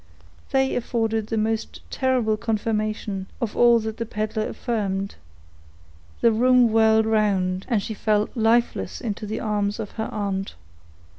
They afforded the most terrible confirmation of all that the peddler affirmed; the room whirled round, and she fell lifeless into the arms of her aunt.